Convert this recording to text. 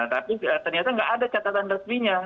tapi ternyata nggak ada catatan resminya